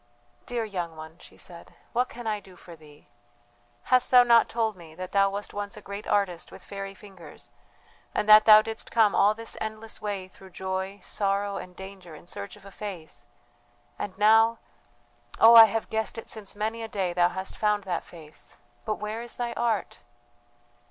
"Dear young one," she said, "what can I do for thee? Hast thou not told me that thou wast once a great artist with fairy fingers, and that thou didst come all this endless way through joy, sorrow, and danger, in search of a face ... and now.... Oh, I have guessed it since many a day thou hast found that face but where is thy art?